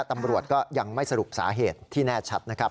ตำรวจก็ยังไม่สรุปสาเหตุที่แน่ชัดนะครับ